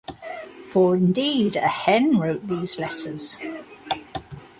For indeed a hen wrote these letters.